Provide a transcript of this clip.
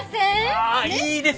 ああいいですね